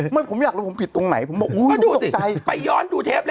ไม่ผมอยากรู้ผมผิดตรงไหนผมบอกอุ้ยดูสิไปย้อนดูเทปเลย